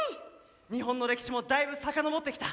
日本の歴史もだいぶ遡ってきた。